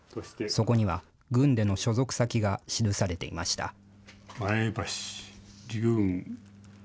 そこには、軍での所属先が記されていました。